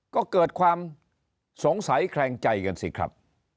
ก็เกิดความสงสัยแคลงใจกันสิครับ